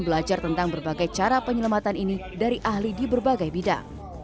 belajar tentang berbagai cara penyelamatan ini dari ahli di berbagai bidang